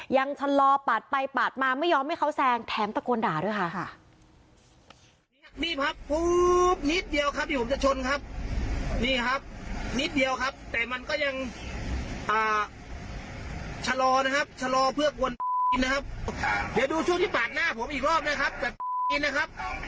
ชะลอปาดไปปาดมาไม่ยอมให้เขาแซงแถมตะโกนด่าด้วยค่ะ